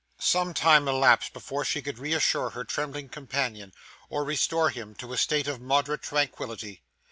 Some time elapsed before she could reassure her trembling companion, or restore him to a state of moderate tranquillity.